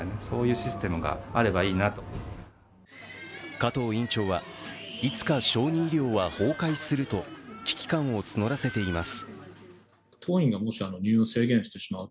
加藤院長は、いつか小児医療は崩壊すると危機感を募らせています。